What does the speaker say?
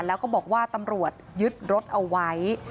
แล้วก็บอกว่าตำรวจยึดรถเอาไว้